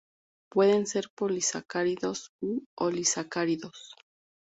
Pueden ser polisacáridos u oligosacáridos.